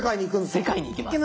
世界に行きます。